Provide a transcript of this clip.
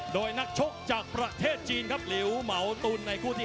โดยนักชกจากประเทศจีนครับหลิวเหมาตุนในคู่ที่๕